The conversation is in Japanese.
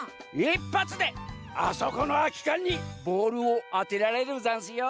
１ぱつであそこのあきかんにボールをあてられるざんすよ。